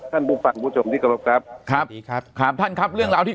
ท่านภูมิฟังคุณผู้ชมที่กรทรัพย์ครับครับดีครับท่านครับเรื่องราวที่